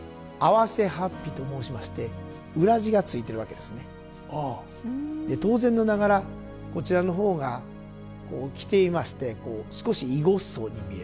で当然ながらこちらの方が着ていましてこう少しいごっそうに見える。